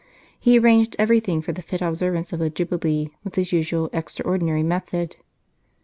He arranged everything for the fit observance of the Jubilee with his usual extraordinary method.